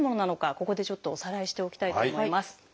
ここでちょっとおさらいしておきたいと思います。